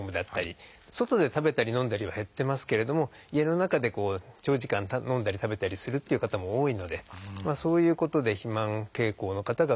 外で食べたり飲んだりは減ってますけれども家の中で長時間飲んだり食べたりするっていう方も多いのでそういうことで肥満傾向の方が増えています。